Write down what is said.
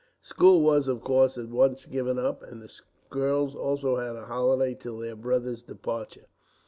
School was, of course, at once given up, and the girls also had a holiday till their brother's departure.